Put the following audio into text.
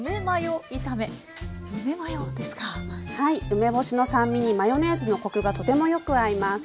梅干しの酸味にマヨネーズのコクがとてもよく合います。